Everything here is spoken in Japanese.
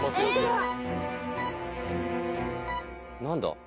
何だ？